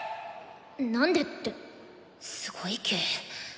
なんでってすごい毛。